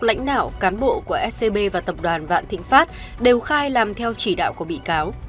lãnh đạo cán bộ của scb và tập đoàn vạn thịnh pháp đều khai làm theo chỉ đạo của bị cáo